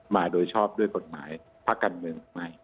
มาโดยชอบด้วยกฎหมายพระกันเมืองไหม